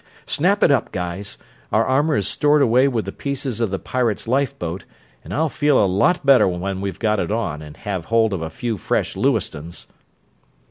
Snap it up, guys! Our armor is stored away with the pieces of the pirates' lifeboat, and I'll feel a lot better when we've got it on and have hold of a few fresh Lewistons."